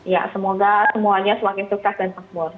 ya semoga semuanya semakin sukses dan makmur